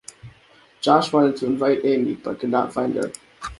Josh wanted to invite Amy, but could not find her.